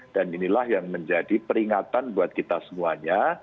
dan inilah yang menjadi peringatan buat kita semuanya